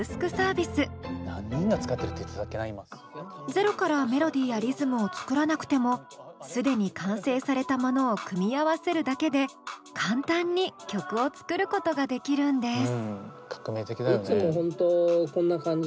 ゼロからメロディーやリズムを作らなくても既に完成されたものを組み合わせるだけで簡単に曲を作ることができるんです。